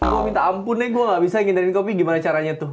gue minta ampun deh gue gak bisa ngindarin kopi gimana caranya tuh